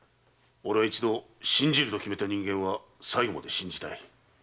俺は一度信じると決めた人間は最後まで信じたい。